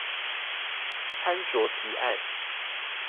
參酌提案